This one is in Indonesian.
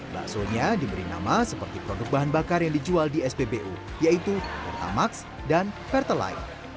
baksonya diberi nama seperti produk bahan bakar yang dijual di spbu yaitu pertamax dan pertalite